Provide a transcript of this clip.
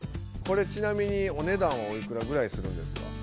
これちなみにお値段はおいくらぐらいするんですか？